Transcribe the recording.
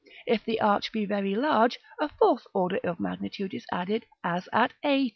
If the arch be very large, a fourth order of magnitude is added, as at a2.